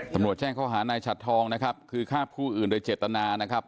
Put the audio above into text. แจ้งข้อหานายฉัดทองนะครับคือฆ่าผู้อื่นโดยเจตนานะครับ